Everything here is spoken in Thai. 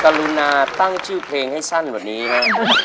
กรุณาตั้งชื่อเพลงให้สั้นกว่านี้นะ